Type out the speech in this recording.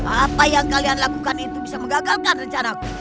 apa yang kalian lakukan itu bisa menggagalkan rencanaku